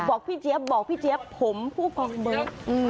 พี่เจี๊ยบบอกพี่เจี๊ยบผมผู้กองเบิร์ต